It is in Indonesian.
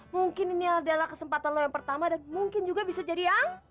mungkin ini adalah kesempatan lo yang pertama dan mungkin juga bisa jadi ya